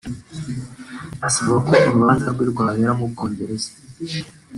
asaba ko urubanza rwe rwabera mu Bwongereza